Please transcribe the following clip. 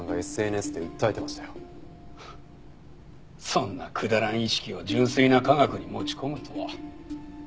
そんなくだらん意識を純粋な科学に持ち込むとは。